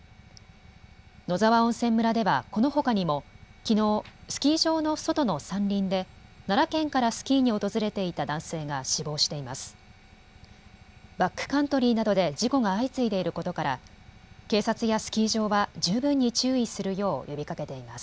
野沢温泉村ではこのほかにもきのう、スキー場の外の山林で奈良県からスキーに訪れていた男性が死亡しています。